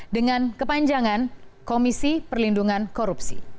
dengan kepanjangan komisi perlindungan korupsi